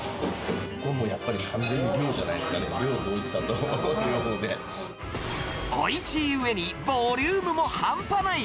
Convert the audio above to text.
ここはやっぱり完全に量じゃないですかね、おいしいうえにボリュームも半端ない。